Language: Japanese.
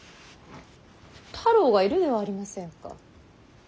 太郎がいるではありませんか。